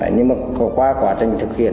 nhưng mà qua quá trình thực hiện